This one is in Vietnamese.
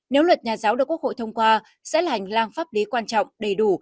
nếu luật nhà giáo được quốc hội thông qua sẽ là hành lang pháp lý quan trọng đầy đủ